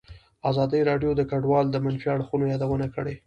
ازادي راډیو د کډوال د منفي اړخونو یادونه کړې.